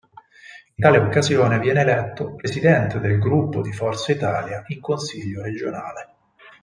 In tale occasione viene eletto presidente del gruppo di Forza Italia in consiglio regionale.